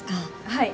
はい。